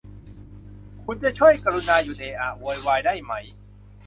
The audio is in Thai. คุณจะช่วยกรุณาหยุดเอะอะโวยวายได้ไหม ?